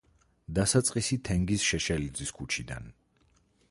დასაწყისი თენგიზ შეშელიძის ქუჩიდან.